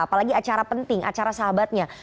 apalagi acara penting acara sahabatnya